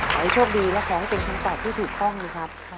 โอ้โฮโชคดีและของเป็นคำตอบที่ถูกต้องนี่ครับ